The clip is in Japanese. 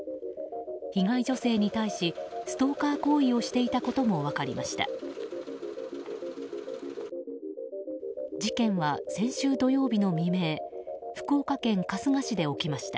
被害女性に対しストーカー行為をしていたことも分かりました。